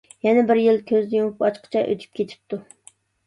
يەنە بىر يىل كۆزنى يۇمۇپ ئاچقۇچە ئۆتۈپ كېتىپتۇ.